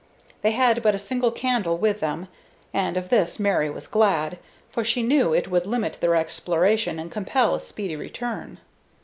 They had but a single candle with them, and of this Mary was glad, for she knew it would limit their exploration and compel a speedy return.